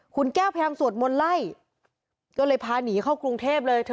คุณแก้วพยายามสวดมนต์ไล่ก็เลยพาหนีเข้ากรุงเทพเลย